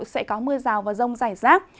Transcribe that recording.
sẽ có mưa rào và rông rải rác